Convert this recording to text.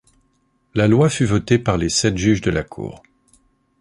La loi fut votée par les sept juges de la cour.